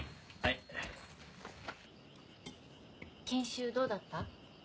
研修どうだった？